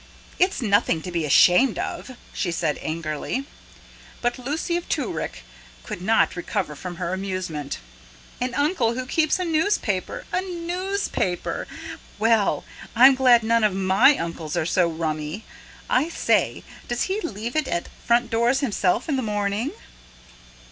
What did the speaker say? "It's nothing to be ashamed of," she said angrily. But Lucy of Toorak could not recover from her amusement. "An uncle who keeps a newspaper! A newspaper! Well, I'm glad none of MY uncles are so rummy. I say, does he leave it at front doors himself in the morning?"